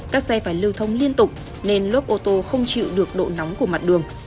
các xe phải lưu thông liên tục nên lốp ô tô không chịu được độ nóng của mặt đường